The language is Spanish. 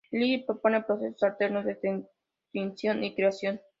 Lyell propone procesos alternos de extinción y creación.